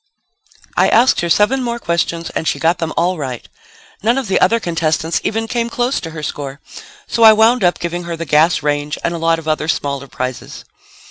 I asked her seven more questions and she got them all right. None of the other contestants even came close to her score, so I wound up giving her the gas range and a lot of other smaller prizes.